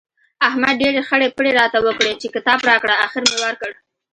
احمد ډېرې خړۍ پړۍ راته وکړې چې کتاب راکړه؛ اخېر مې ورکړ.